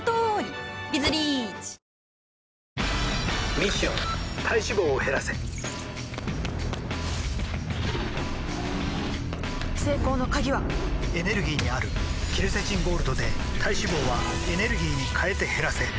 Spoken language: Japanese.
ミッション体脂肪を減らせ成功の鍵はエネルギーにあるケルセチンゴールドで体脂肪はエネルギーに変えて減らせ「特茶」